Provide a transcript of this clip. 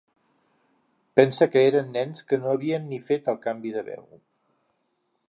Pensa que eren nens que no havien ni fet el canvi de veu.